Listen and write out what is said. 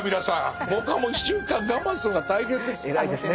僕はもう１週間我慢するのが大変です。